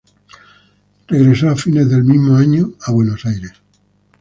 Regresó a fines del mismo año a Buenos Aires.